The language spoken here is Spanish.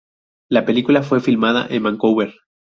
La película fue filmada en Vancouver.